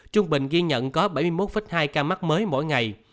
trung bình ghi nhận có bảy mươi một hai ca mắc mới mỗi ngày